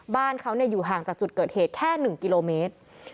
บ้านเขาอยู่ห่างจากจุดเกิดเหตุแค่๑กิโลเมตร